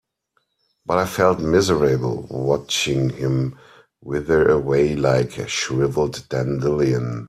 But I felt miserable watching him wither away like a shriveled dandelion.